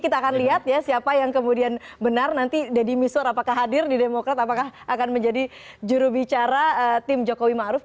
kita akan lihat ya siapa yang kemudian benar nanti deddy miswar apakah hadir di demokrat apakah akan menjadi jurubicara tim jokowi ⁇ maruf ⁇